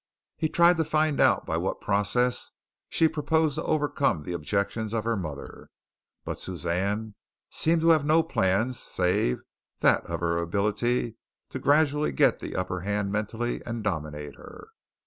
He tried to find out by what process she proposed to overcome the objections of her mother, but Suzanne seemed to have no plans save that of her ability to gradually get the upper hand mentally and dominate her.